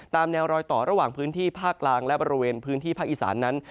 ตามแนวรอยต่อระหว่างพื้นที่ภาคกลางและบริเวณพื้นที่ภาคอีสานนั้น